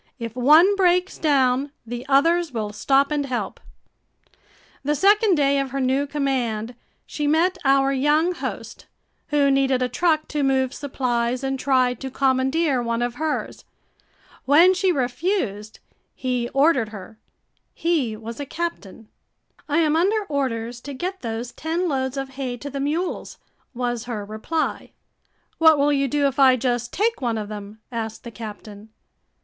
If one breaks down, the others will stop and help. The second day of her new command, she met our young host, who needed a truck to move supplies and tried to commandeer one of hers. When she refused, he ordered her. He was a captain. "I am under orders to get those ten loads of hay to the mules," was her reply. "What will you do if I just take one of them?" asked the captain.